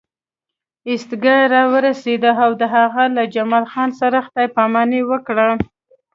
ایستګاه راورسېده او هغه له جمال خان سره خدای پاماني وکړه